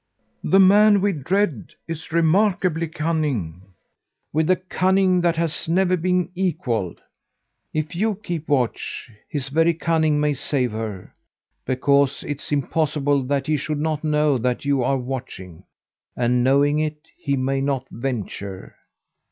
The man we dread is remarkably cunning with a cunning that has never been equalled. If you keep watch his very cunning may save her; because it's impossible that he should not know that you are watching; and knowing it, he may not venture.